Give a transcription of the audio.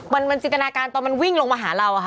มันจินตนาการตอนมันวิ่งลงมาหาเราอะค่ะ